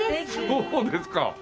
そうですか？